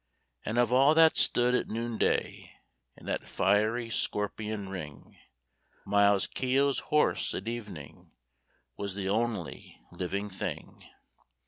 And of all that stood at noonday In that fiery scorpion ring, Miles Keogh's horse at evening Was the only living thing.